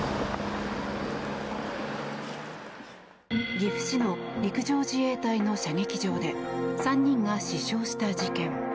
岐阜市の陸上自衛隊の射撃場で３人が死傷した事件。